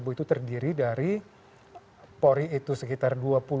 enam puluh empat itu terdiri dari pori itu sekitar dua puluh empat